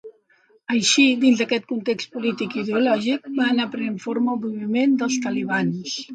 Així, dins d'aquest context polític i ideològic, va anar prenent forma el moviment dels talibans.